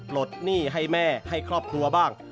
ลดหนี้ให้แม่ให้ครอบครัวบ้าง